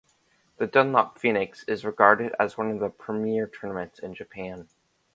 The Dunlop Phoenix is regarded as one of the premier tournaments in Japan.